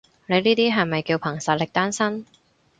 你呢啲係咪叫憑實力單身？